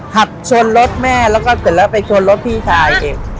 ขับชนรถแม่แล้วก็ถึงเลยไปชนรถพี่ชายเอง